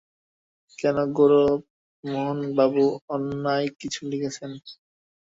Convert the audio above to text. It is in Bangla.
কেন, গৌরমোহনবাবু অন্যায় কিছু লিখেছেন?